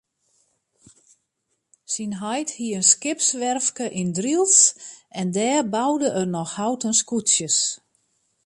Syn heit hie in skipswerfke yn Drylts en dêr boude er noch houten skûtsjes.